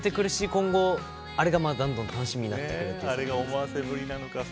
今後、あれがどんどん楽しみになってくると思います。